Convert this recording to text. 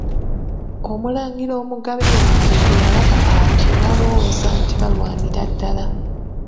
Omulangira omugabe waabwe bwe yalaba atyo, n'alowooza nti balwanira ddala.